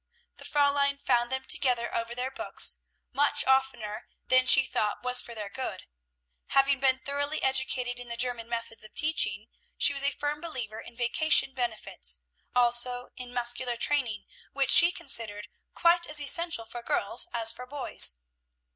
The Fräulein found them together over their books much oftener than she thought was for their good. Having been thoroughly educated in the German methods of teaching, she was a firm believer in vacation benefits, also in muscular training, which she considered quite as essential for girls as for boys.